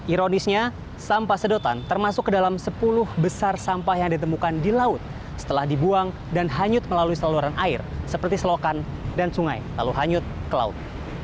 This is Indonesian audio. ironisnya sampah sedotan termasuk ke dalam sepuluh besar sampah yang ditemukan di laut setelah dibuang dan hanyut melalui saluran air seperti selokan dan sungai lalu hanyut ke laut